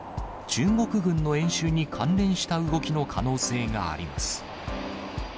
中国軍の演習に関連した動きの可能性があります。